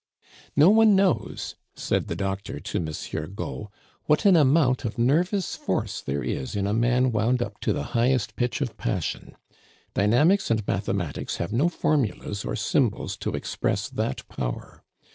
"No one knows," said the doctor to Monsieur Gault, "what an amount of nervous force there is in a man wound up to the highest pitch of passion. Dynamics and mathematics have no formulas or symbols to express that power.